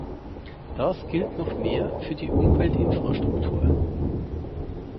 Das gilt noch mehr für die Umweltinfrastruktur.